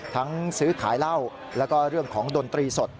ซื้อขายเหล้าแล้วก็เรื่องของดนตรีสด